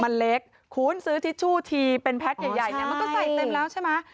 มันเล็กคูณซื้อทิชชู่ทีเป็นแพ็คใหญ่เนี่ยมันก็ใส่เต็มแล้วใช่ไหม